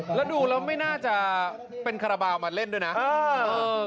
แล้วดูแล้วไม่น่าจะเป็นคาราบาลมาเล่นด้วยนะ